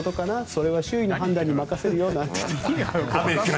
それは周囲の判断に任せるよとか言って。